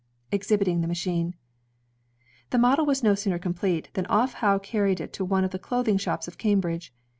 ExHiBrnNG THE Machine TTie model was no sooner complete than off Howe carried it to one of the clothing shops of Cambridge.